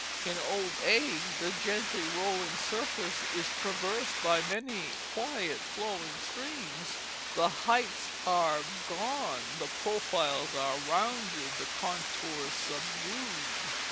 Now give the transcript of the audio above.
In old age the gently rolling surface is traversed by many quiet flowing streams ; the heights are gone, the profiles are rounded, the contours subdued.